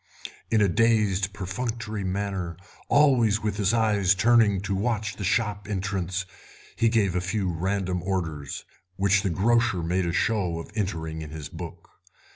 In a dazed perfunctory manner, always with his eyes turning to watch the shop entrance, he gave a few random orders, which the grocer made a show of entering in his book.